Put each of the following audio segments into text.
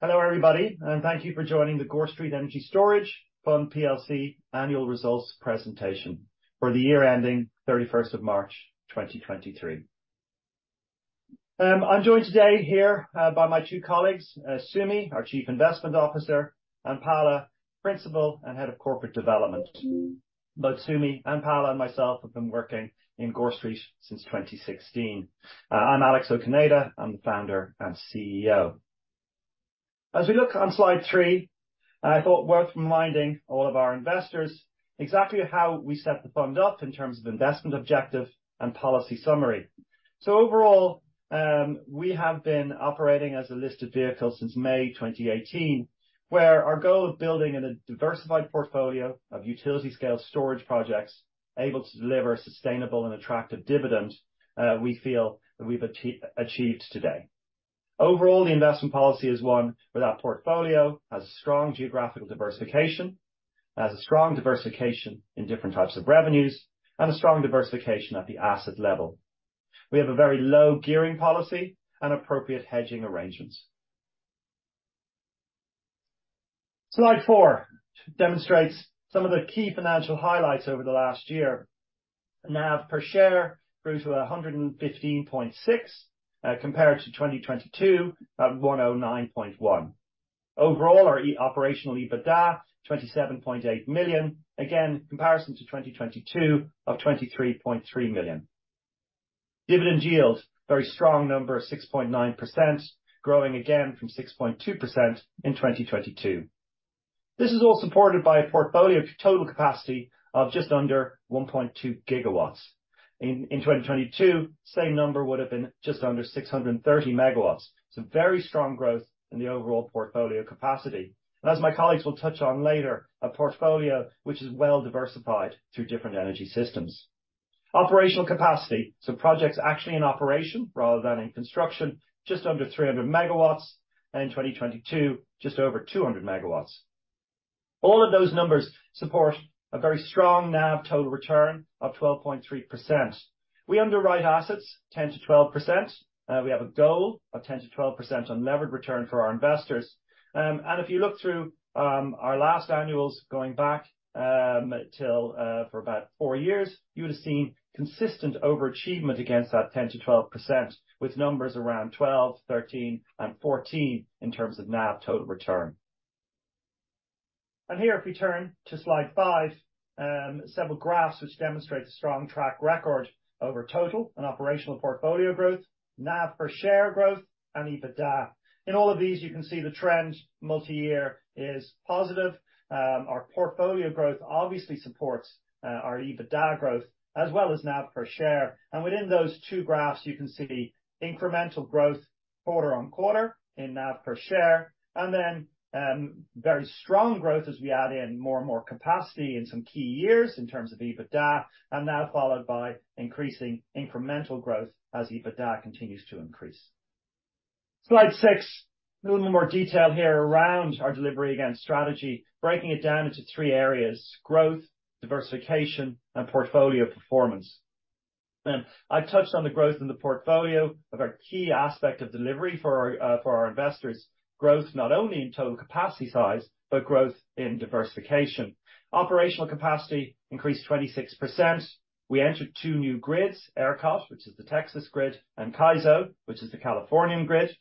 Hello, everybody, thank you for joining the Gore Street Energy Storage Fund PLC annual results presentation for the year ending 31st of March 2023. Well, I'm joined today here by my two colleagues, Sumi, our Chief Investment Officer, and Paula, Principal and Head of Corporate Development. Both Sumi and Paula and myself have been working in Gore Street since 2016. I'm Alex O'Cinneide. I'm the founder and CEO. As we look on slide three, I thought worth reminding all of our investors exactly how we set the fund up in terms of investment objective and policy summary. Overall, we have been operating as a listed vehicle since May 2018, where our goal of building a diversified portfolio of utility-scale storage projects able to deliver sustainable and attractive dividends, we feel that we've achieved today. Overall, the investment policy is one where that portfolio has a strong geographical diversification, has a strong diversification in different types of revenues, and a strong diversification at the asset level. We have a very low gearing policy and appropriate hedging arrangements. Slide four demonstrates some of the key financial highlights over the last year. NAV per share grew to 115.6 compared to 2022 at 109.1. Overall, our operational EBITDA, 27.8 million, again, comparison to 2022 of 23.3 million. Dividend yield, very strong number of 6.9%, growing again from 6.2% in 2022. This is all supported by a portfolio of total capacity of just under 1.2 gigawatts. In 2022, same number would have been just under 630 megawatts. So, very strong growth in the overall portfolio capacity. As my colleagues will touch on later, a portfolio which is well diversified through different energy systems. Operational capacity, so projects actually in operation rather than in construction, just under 300 megawatts, and in 2022, just over 200 megawatts. All of those numbers support a very strong NAV total return of 12.3%. We underwrite assets 10%-12%. We have a goal of 10%-12% on levered return for our investors. And if you look through our last annuals going back till for about 4 years, you would have seen consistent overachievement against that 10%-12%, with numbers around 12, 13, and 14 in terms of NAV total return. Here, if we turn to slide five, several graphs which demonstrate a strong track record over total and operational portfolio growth, NAV per share growth and EBITDA. In all of these, you can see the trend multi-year is positive. Our portfolio growth obviously supports our EBITDA growth as well as NAV per share. Within those two graphs, you can see incremental growth quarter-on-quarter in NAV per share and then very strong growth as we add in more and more capacity in some key years in terms of EBITDA, and that followed by increasing incremental growth as EBITDA continues to increase. Slide six, a little bit more detail here around our delivery against strategy, breaking it down into three areas: growth, diversification, and portfolio performance. I've touched on the growth in the portfolio of our key aspect of delivery for our investors. Growth not only in total capacity size, but growth in diversification. Operational capacity increased 26%. We entered two new grids, ERCOT, which is the Texas grid, and CAISO, which is the Californian grid.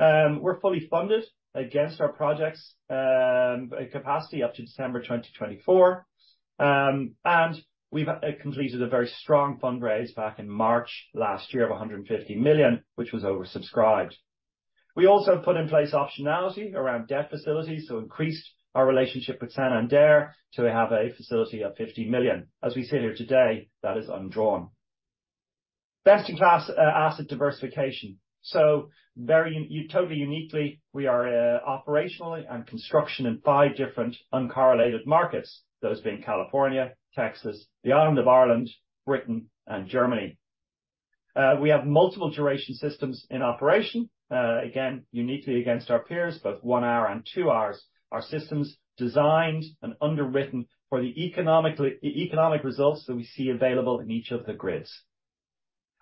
We're fully funded against our projects, capacity up to December 2024. We've completed a very strong fundraise back in March last year of 150 million, which was oversubscribed. We also put in place optionality around debt facilities, so increased our relationship with Santander to have a facility of 50 million. As we sit here today, that is undrawn. Best in class, asset diversification. So, very totally uniquely, we are operational and construction in five different uncorrelated markets, those being California, Texas, the island of Ireland, Britain, and Germany. We have multiple duration systems in operation, again, uniquely against our peers, both one hour and two hours. Our system's designed and underwritten for the economic results that we see available in each of the grids.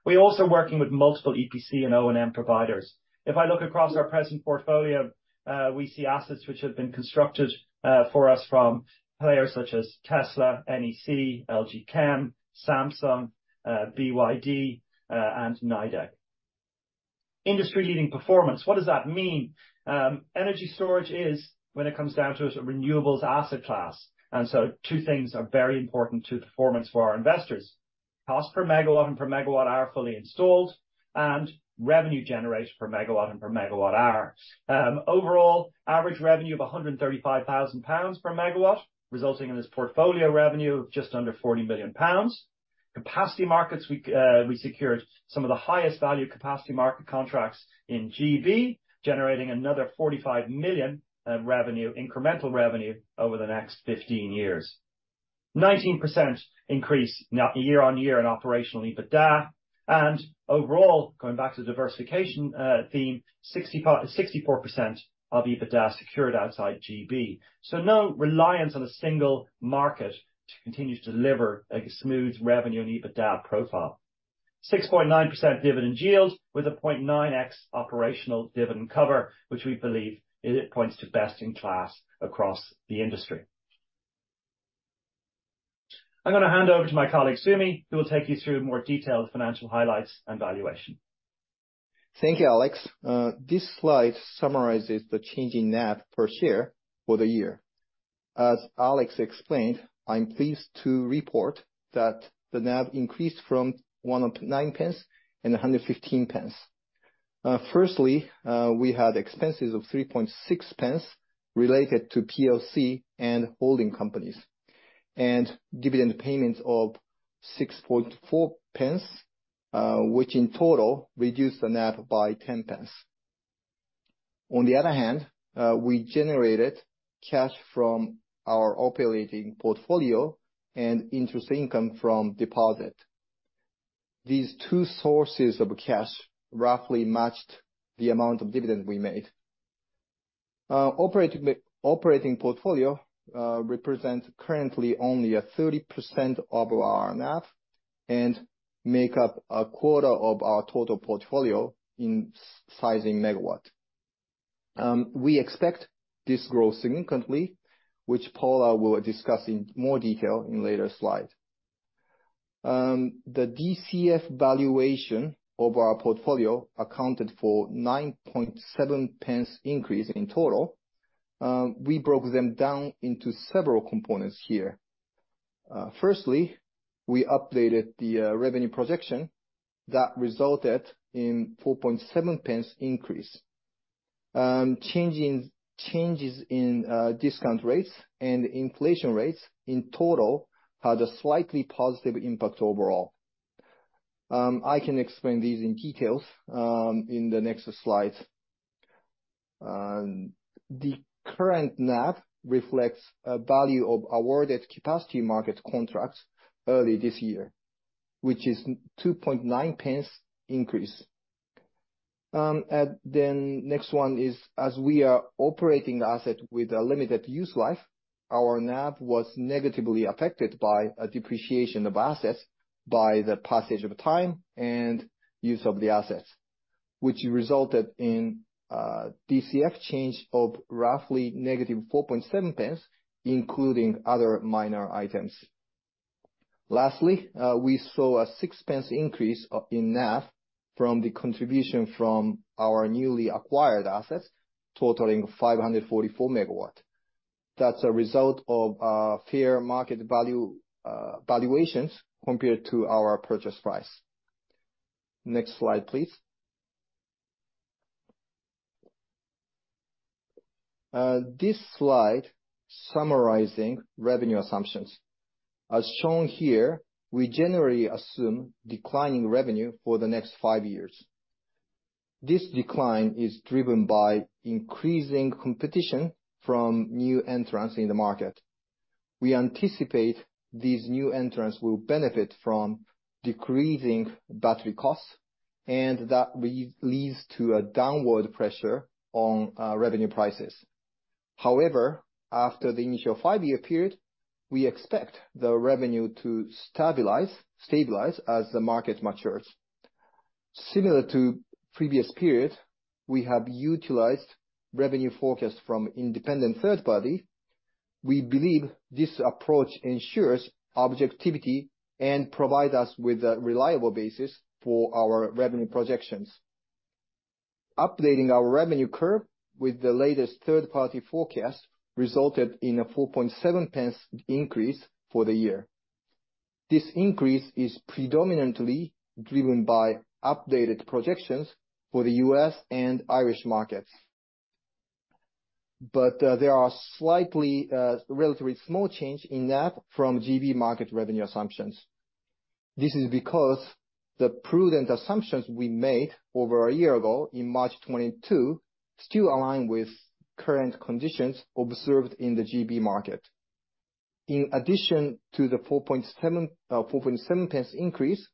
We're also working with multiple EPC and O&M providers. If I look across our present portfolio, we see assets which have been constructed for us from players such as Tesla, NEC, LG Chem, Samsung, BYD, and Nidec. Industry-leading performance. What does that mean? Energy storage is, when it comes down to it, a renewables asset class, two things are very important to the performance for our investors. Cost per megawatt and per megawatt are fully installed and revenue generated per megawatt -- per megawatt hour. Overall, average revenue of 135,000 pounds per megawatt, resulting in this portfolio revenue of just under 40 million pounds. Capacity markets, we secured some of the highest value capacity market contracts in GB, generating another 45 million of revenue, incremental revenue, over the next 15 years. 19% increase year-on-year in operational EBITDA, overall, going back to the diversification theme, 64% of EBITDA secured outside GB. So, no reliance on a single market to continue to deliver a smooth revenue and EBITDA profile. 6.9% dividend yields with a 0.9x operational dividend cover, which we believe it points to best in class across the industry. I'm gonna hand over to my colleague, Sumi, who will take you through more detailed financial highlights and valuation. Thank you, Alex. This slide summarizes the change in NAV per share for the year. As Alex explained, I'm pleased to report that the NAV increased from 1.09 and 1.15. firstly, we had expenses of 0.036 related to PLC and holding companies, and dividend payments of 0.064, which in total reduced the NAV by 0.10. On the other hand, we generated cash from our operating portfolio and interest income from deposit. These two sources of cash roughly matched the amount of dividend we made. Operating portfolio represents currently only a 30% of our NAV and make up 1/4 of our total portfolio in sizing megawatt. We expect this grow significantly, which Paula will discuss in more detail in later slide. The DCF valuation of our portfolio accounted for 0.097 increase in total. We broke them down into several components here. Firstly, we updated the revenue projection that resulted in 0.047 increase. Changes in discount rates and inflation rates in total had a slightly positive impact overall. I can explain these in details in the next slide. The current NAV reflects a value of awarded capacity markets contracts early this year, which is 0.029 increase. Next one is, as we are operating the asset with a limited use life, our NAV was negatively affected by a depreciation of assets by the passage of time and use of the assets, which resulted in DCF change of roughly negative 0.047, including other minor items. Lastly, we saw a 0.06 increase in NAV from the contribution from our newly acquired assets, totaling 544 MW. That's a result of fair market value -- valuations compared to our purchase price. Next slide, please. This slide summarizing revenue assumptions. As shown here, we generally assume declining revenue for the next 5 years. This decline is driven by increasing competition from new entrants in the market. We anticipate these new entrants will benefit from decreasing battery costs, and that leads to a downward pressure on revenue prices. However, after the initial five-year period, we expect the revenue to stabilize as the market matures. Similar to previous period, we have utilized revenue forecast from independent third-party. We believe this approach ensures objectivity and provide us with a reliable basis for our revenue projections. Updating our revenue curve with the latest third-party forecast resulted in a 0.047 increase for the year. This increase is predominantly driven by updated projections for the U.S. and Irish markets. But there are slightly, relatively small change in that from GB market revenue assumptions. This is because the prudent assumptions we made over a year ago, in March 2022, still align with current conditions observed in the GB market. In addition to the 0.047 increase,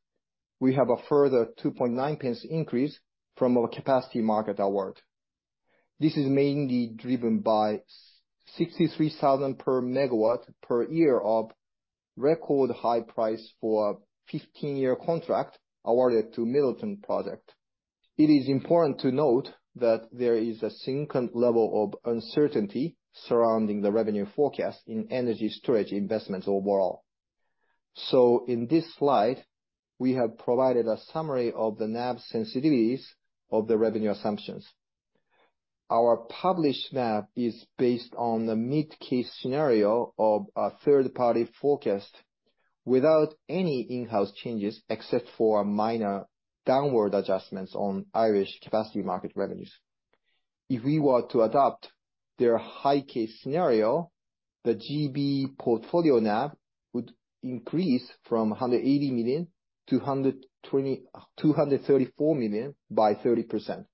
we have a further 0.029 increase from our capacity market award. This is mainly driven by 63,000 per megawatt per year of record high price for a 15-year contract awarded to Middleton project. It is important to note that there is a significant level of uncertainty surrounding the revenue forecast in energy storage investments overall. So, in this slide, we have provided a summary of the NAV sensitivities of the revenue assumptions. Our published NAV is based on the mid-case scenario of a third-party forecast without any in-house changes, except for minor downward adjustments on Irish capacity market revenues. If we were to adopt their high-case scenario, the GB portfolio NAV would increase from 180 million to 234 million by 30%.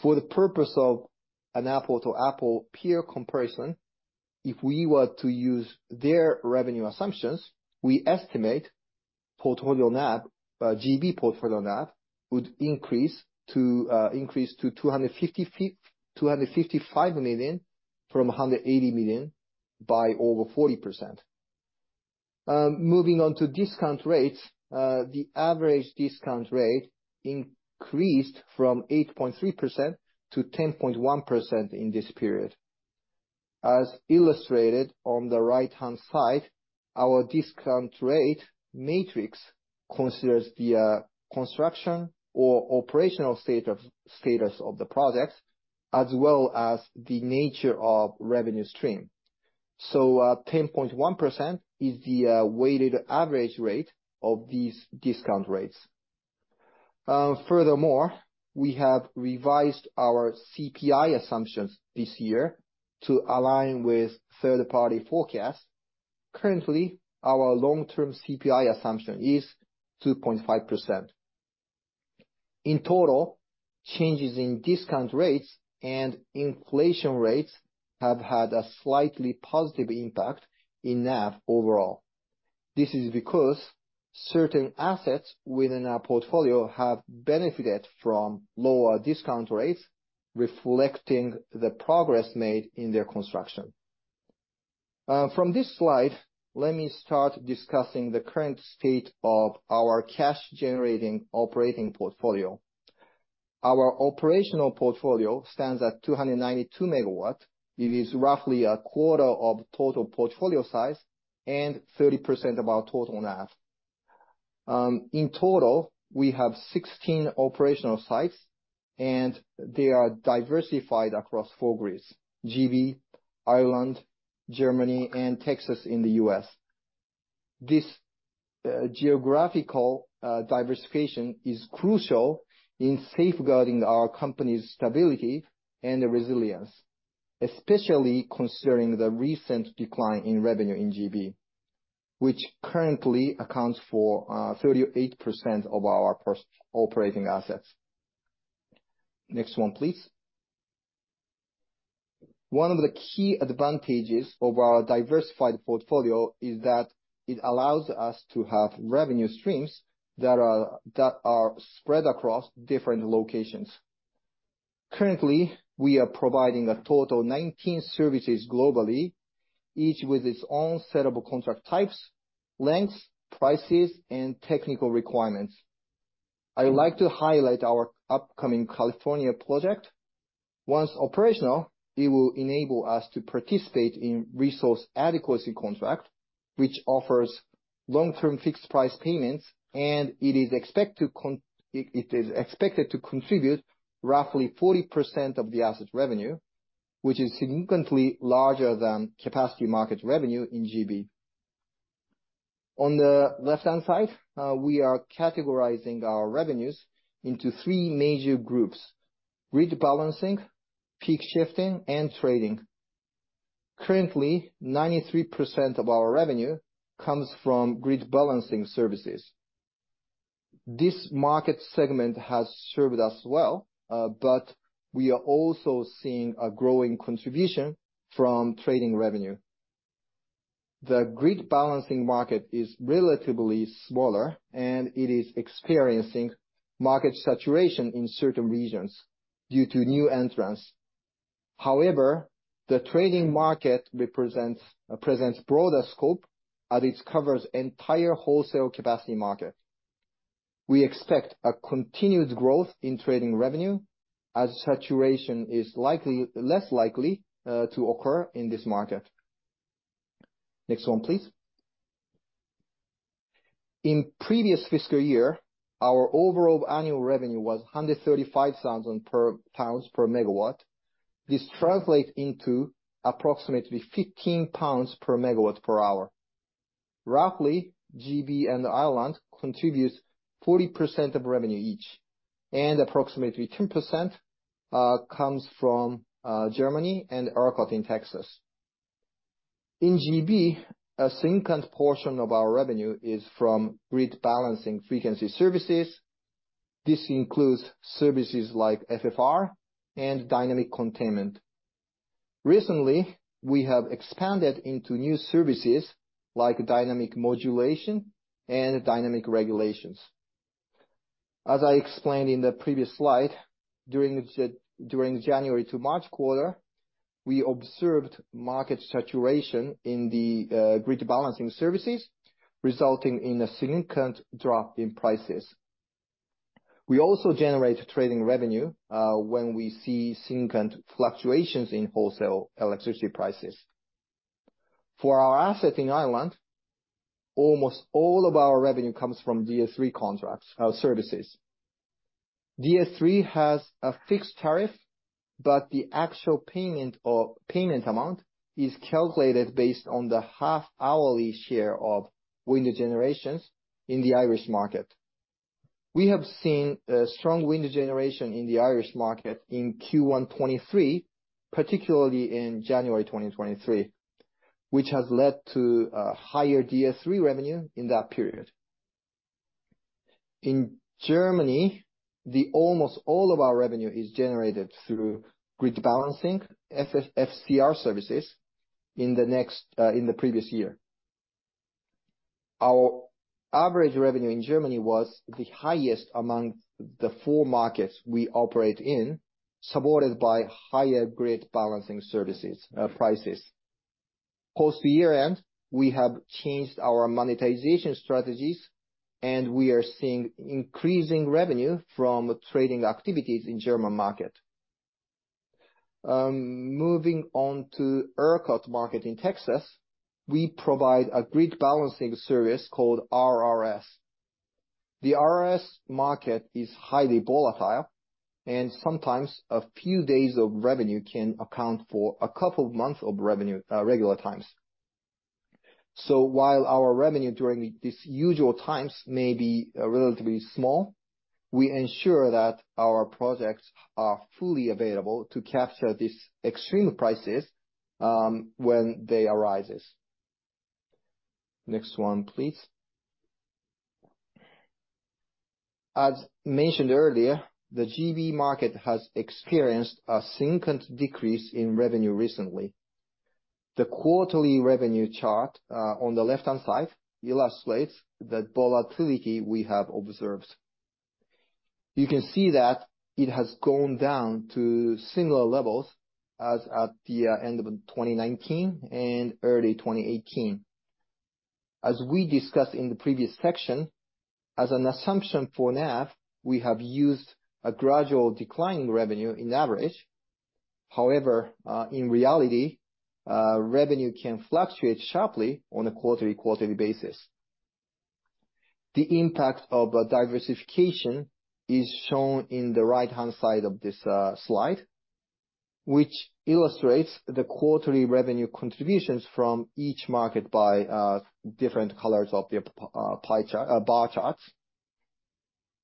For the purpose of an apple-to-apple peer comparison, if we were to use their revenue assumptions, we estimate portfolio NAV, GB portfolio NAV, would increase to 255 million from 180 million by over 40%. Moving on to discount rates, the average discount rate increased from 8.3% to 10.1% in this period. As illustrated on the right-hand side, our discount rate matrix considers the construction or operational status of the projects, as well as the nature of revenue stream. So, 10.1% is the weighted average rate of these discount rates. Furthermore, we have revised our CPI assumptions this year to align with third-party forecasts. Currently, our long-term CPI assumption is 2.5%. In total, changes in discount rates and inflation rates have had a slightly positive impact in NAV overall. This is because certain assets within our portfolio have benefited from lower discount rates, reflecting the progress made in their construction. From this slide, let me start discussing the current state of our cash-generating operating portfolio. Our operational portfolio stands at 292 MW. It is roughly 1/4 of total portfolio size and 30% of our total NAV. In total, we have 16 operational sites, and they are diversified across 4 grids: GB, Ireland, Germany, and Texas in the U.S. This geographical diversification is crucial in safeguarding our Company's stability and resilience, especially considering the recent decline in revenue in GB, which currently accounts for 38% of our first operating assets. Next one, please. One of the key advantages of our diversified portfolio is that it allows us to have revenue streams that are spread across different locations. Currently, we are providing a total of 19 services globally, each with its own set of contract types, lengths, prices, and technical requirements. I would like to highlight our upcoming California project. Once operational, it will enable us to participate in resource adequacy contract, which offers long-term fixed price payments, and it is expected to contribute roughly 40% of the asset revenue, which is significantly larger than capacity market revenue in GB. On the left-hand side, we are categorizing our revenues into 3 major groups: grid balancing, peak shifting, and trading. Currently, 93% of our revenue comes from grid balancing services. This market segment has served us well, but we are also seeing a growing contribution from trading revenue. The grid balancing market is relatively smaller, and it is experiencing market saturation in certain regions due to new entrants. However, the trading market presents broader scope, as it covers entire wholesale capacity market. We expect a continued growth in trading revenue, as saturation is less likely to occur in this market. Next one, please. In previous fiscal year, our overall annual revenue was 135,000 per megawatt. This translates into approximately 15 pounds per megawatt per hour. Roughly, GB and Ireland contributes 40% of revenue each, and approximately 10% comes from Germany and ERCOT in Texas. In GB, a significant portion of our revenue is from grid balancing frequency services. This includes services like FFR and Dynamic Containment. Recently, we have expanded into new services like Dynamic [Moderation] and Dynamic Regulation. As I explained in the previous slide, during the January to March quarter, we observed market saturation in the grid balancing services, resulting in a significant drop in prices. We also generate trading revenue when we see significant fluctuations in wholesale electricity prices. For our asset in Ireland, almost all of our revenue comes from DS3 contracts -- services. DS3 has a fixed tariff, but the actual payment or payment amount is calculated based on the half-hourly share of wind generations in the Irish market. We have seen a strong wind generation in the Irish market in Q1 2023, particularly in January 2023, which has led to a higher DS3 revenue in that period. In Germany, the almost all of our revenue is generated through grid balancing, FCR services, in the previous year. Our average revenue in Germany was the highest among the four markets we operate in, supported by higher grid balancing services -- prices. Post year-end, we have changed our monetization strategies and we are seeing increasing revenue from trading activities in German market. Moving on to ERCOT market in Texas, we provide a grid balancing service called RRS. The RRS market is highly volatile and sometimes a few days of revenue can account for a couple of months of revenue, regular times. While our revenue during this usual times may be relatively small, we ensure that our projects are fully available to capture these extreme prices when they arises. Next one, please. As mentioned earlier, the GB market has experienced a significant decrease in revenue recently. The quarterly revenue chart on the left-hand side illustrates the volatility we have observed. You can see that it has gone down to similar levels as at the end of 2019 and early 2018. As we discussed in the previous section, as an assumption for NAV, we have used a gradual decline in revenue in average. However, in reality, revenue can fluctuate sharply on a quarterly basis. The impact of a diversification is shown in the right-hand side of this slide, which illustrates the quarterly revenue contributions from each market by different colors of the pie chart -- bar charts.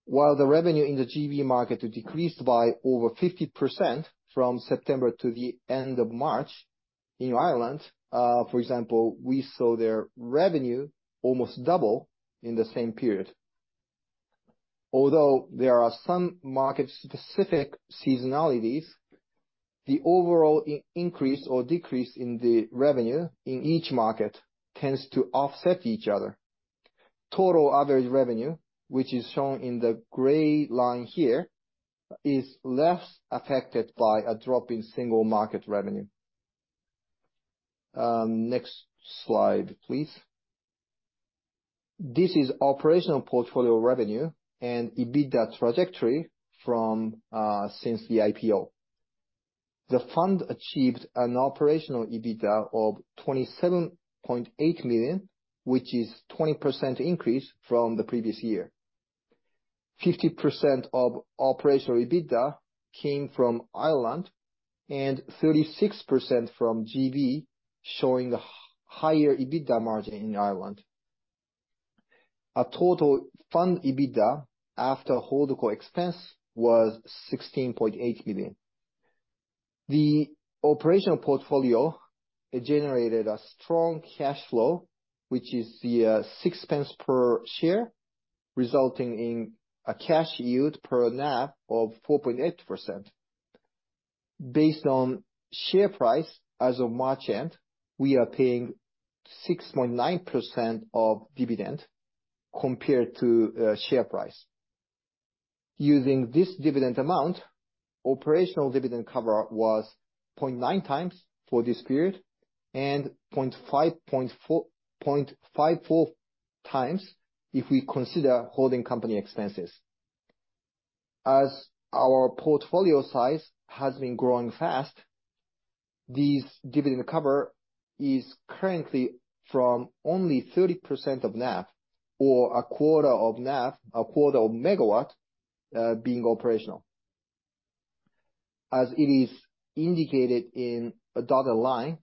While the revenue in the GB market decreased by over 50% from September to the end of March, in Ireland, for example, we saw their revenue almost double in the same period. Although there are some market-specific seasonalities, the overall increase or decrease in the revenue in each market tends to offset each other. Total average revenue, which is shown in the gray line here, is less affected by a drop in single market revenue. Next slide, please. This is operational portfolio revenue and EBITDA trajectory since the IPO. The fund achieved an operational EBITDA of 27.8 million, which is 20% increase from the previous year. 50% of operational EBITDA came from Ireland, and 36% from GB, showing a higher EBITDA margin in Ireland. A total fund EBITDA, after holdco expense, was 16.8 billion. The operational portfolio, it generated a strong cash flow, which is the 0.06 per share, resulting in a cash yield per NAV of 4.8%. Based on share price as of March end, we are paying 6.9% of dividend compared to share price. Using this dividend amount, operational dividend cover was 0.9x for this period, and 0.54x if we consider holding company expenses. As our portfolio size has been growing fast, these dividend cover is currently from only 30% of NAV, or 1/4 of NAV, a 1/4 of megawatt being operational. As it is indicated in a dotted line,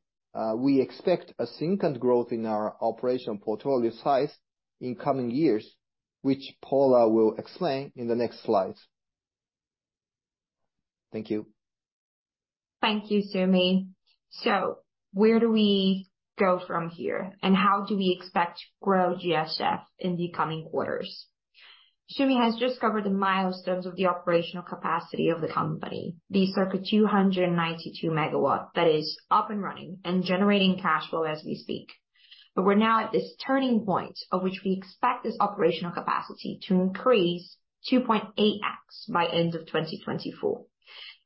we expect a significant growth in our operational portfolio size in coming years, which Paula will explain in the next slides. Thank you. Thank you, Sumi. Where do we go from here, and how do we expect to grow GSF in the coming quarters? Sumi has just covered the milestones of the operational capacity of the Company, the circa 292 megawatts, that is up and running and generating cash flow as we speak. We're now at this turning point, of which we expect this operational capacity to increase 2.8x by end of 2024.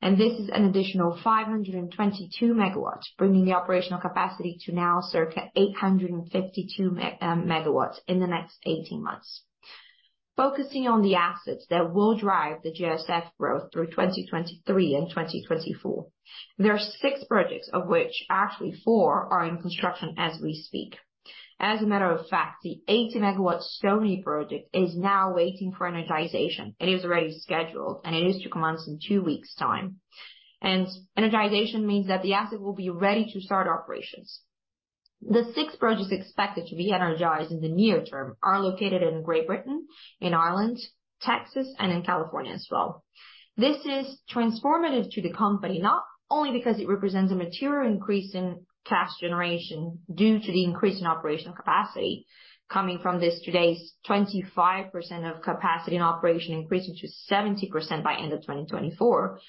And this is an additional 522 megawatts, bringing the operational capacity to now circa 852 megawatts in the next 18 months. Focusing on the assets that will drive the GSF growth through 2023 and 2024, there are six projects, of which actually four are in construction as we speak. As a matter of fact, the 80-megawatt Stony project is now waiting for energization. It is already scheduled and it is to commence in two weeks' time. And energization means that the asset will be ready to start operations. The six projects expected to be energized in the near term are located in Great Britain, in Ireland, Texas, and in California as well. This is transformative to the Company, not only because it represents a material increase in cash generation due to the increase in operational capacity coming from this today's 25% of capacity and operation increasing to 70% by end of 2024.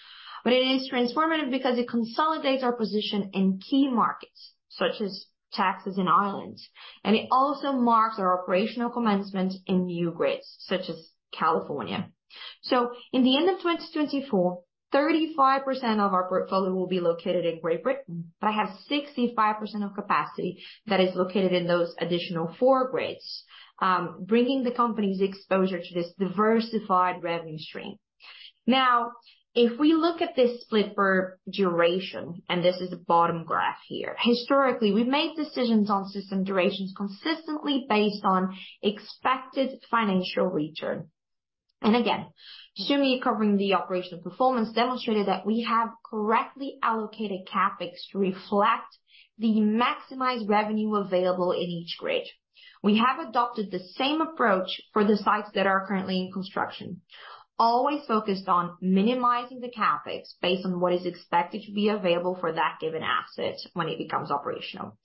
It is transformative because it consolidates our position in key markets such as Texas in Ireland, and it also marks our operational commencement in new grids, such as California. In the end of 2024, 35% of our portfolio will be located in Great Britain, but have 65% of capacity that is located in those additional four grids, bringing the Company's exposure to this diversified revenue stream. Now, if we look at this split for duration, and this is the bottom graph here, historically, we've made decisions on system durations consistently based on expected financial return. Again, Sumi, covering the operational performance, demonstrated that we have correctly allocated CapEx to reflect the maximized revenue available in each grid. We have adopted the same approach for the sites that are currently in construction, always focused on minimizing the CapEx based on what is expected to be available for that given asset when it becomes operational.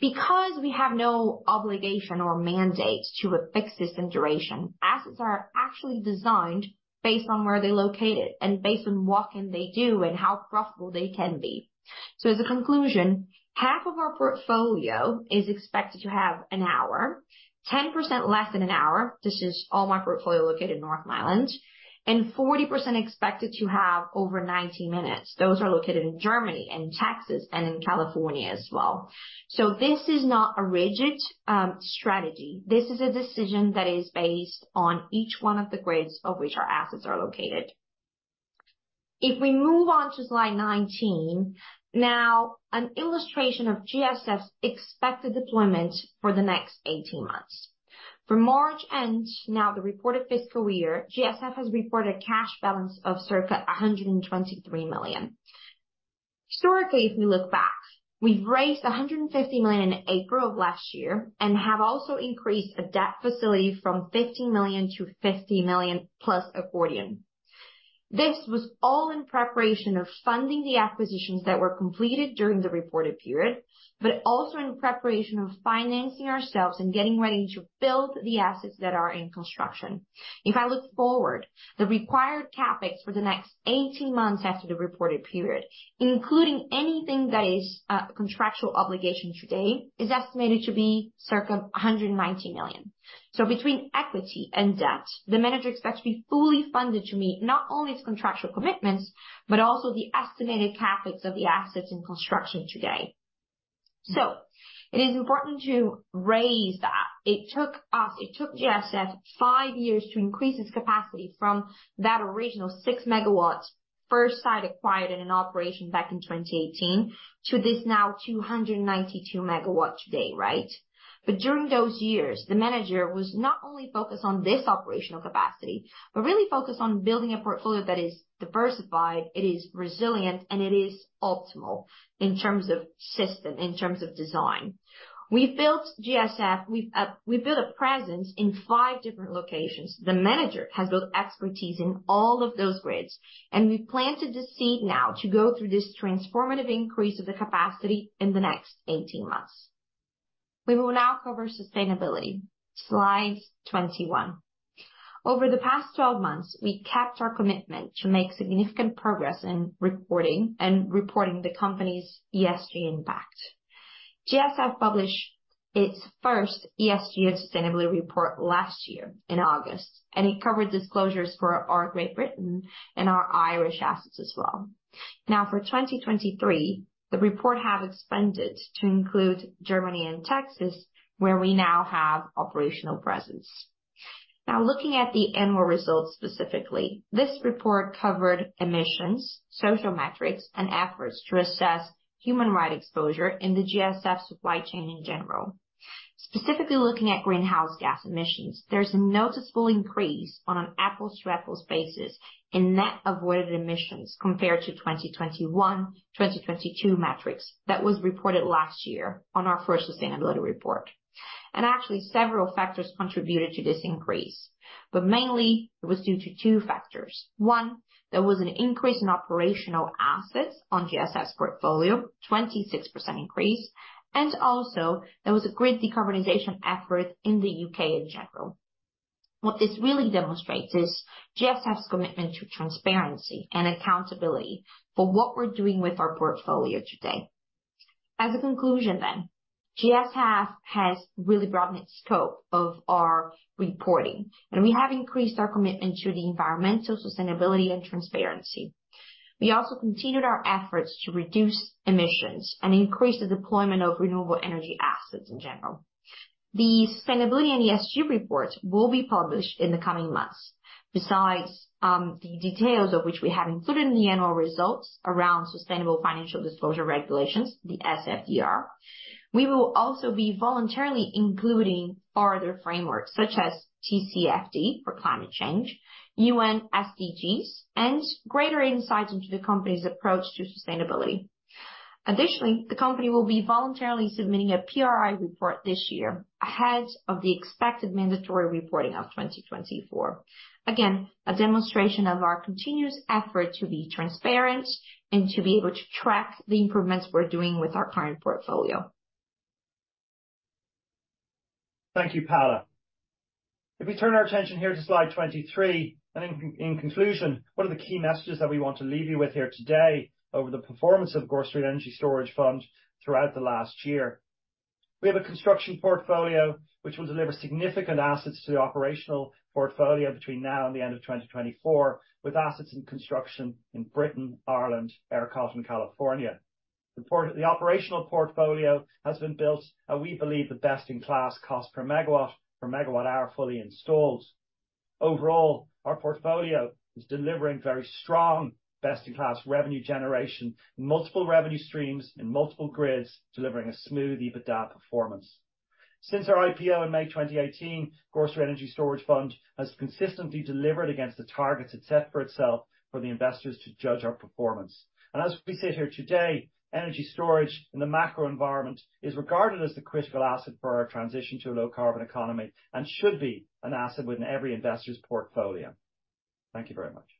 Because we have no obligation or mandate to fix this in duration, assets are actually designed based on where they're located and based on what can they do and how profitable they can be. So, as a conclusion, half of our portfolio is expected to have an hour, 10% less than an hour. This is all my portfolio located in North Ireland and 40% expected to have over 90 minutes. Those are located in Germany and Texas and in California as well. This is not a rigid strategy. This is a decision that is based on each one of the grids of which our assets are located. If we move on to slide 19, now an illustration of GSF's expected deployment for the next 18 months. For March end, now the reported fiscal year, GSF has reported cash balance of circa 123 million. Historically, if we look back, we've raised 150 million in April of last year and have also increased a debt facility from 15 million to 50 million plus accordion. This was all in preparation of funding the acquisitions that were completed during the reported period, but also in preparation of financing ourselves and getting ready to build the assets that are in construction. If I look forward, the required CapEx for the next 18 months after the reported period, including anything that is contractual obligation today, is estimated to be circa 190 million. Between equity and debt, the manager expects to be fully funded to meet not only its contractual commitments, but also the estimated CapEx of the assets in construction today. So, it is important to raise that. It took us -- it took GSF five years to increase its capacity from that original 6 MW first site acquired in an operation back in 2018 to this now 292 MW today, right? During those years, the manager was not only focused on this operational capacity, but really focused on building a portfolio that is diversified, it is resilient, and it is optimal in terms of system, in terms of design. We built GSF. We've built a presence in 5 different locations. The manager has built expertise in all of those grids, we plan to deceive now to go through this transformative increase of the capacity in the next 18 months. We will now cover sustainability. Slide 21. Over the past 12 months, we kept our commitment to make significant progress in reporting the Company's ESG impact. GSF published its first ESG sustainability report last year in August and it covered disclosures for our Great Britain and our Irish assets as well. Now, for 2023, the report has expanded to include Germany and Texas, where we now have operational presence. Now, looking at the annual results specifically, this report covered emissions, social metrics, and efforts to assess human rights exposure in the GSF supply chain in general. Specifically, looking at greenhouse gas emissions, there's a noticeable increase on an apples-to-apples basis in net avoided emissions compared to 2021-2022 metrics that was reported last year on our first Sustainability Report. Actually, several factors contributed to this increase, but mainly it was due to two factors. One, there was an increase in operational assets on GSF's portfolio, 26% increase, and also there was a great decarbonization effort in the U.K. in general. What this really demonstrates is, GSF's commitment to transparency and accountability for what we're doing with our portfolio today. As a conclusion then, GSF has really broadened its scope of our reporting, and we have increased our commitment to the environmental sustainability and transparency. We also continued our efforts to reduce emissions and increase the deployment of renewable energy assets in general. The sustainability and ESG reports will be published in the coming months. Besides, the details of which we have included in the annual results around sustainable financial disclosure regulations, the SFDR, we will also be voluntarily including further frameworks such as TCFD for climate change, UN SDGs, and greater insights into the Company's approach to sustainability. Additionally, the company will be voluntarily submitting a PRI report this year ahead of the expected mandatory reporting of 2024. Again, a demonstration of our continuous effort to be transparent and to be able to track the improvements we're doing with our current portfolio. Thank you, Paula. If we turn our attention here to slide 23, in conclusion, what are the key messages that we want to leave you with here today over the performance of Gore Street Energy Storage Fund throughout the last year? We have a construction portfolio which will deliver significant assets to the operational portfolio between now and the end of 2024, with assets and construction in Britain, Ireland, ERCOT, and California. The operational portfolio has been built, and we believe the best-in-class cost per megawatt or megawatt hour fully installed. Overall, our portfolio is delivering very strong, best-in-class revenue generation, multiple revenue streams in multiple grids, delivering a smooth EBITDA performance. Since our IPO in May 2018, Gore Street Energy Storage Fund has consistently delivered against the targets it set for itself for the investors to judge our performance. As we sit here today, energy storage in the macro environment is regarded as the critical asset for our transition to a low-carbon economy and should be an asset within every investor's portfolio. Thank you very much.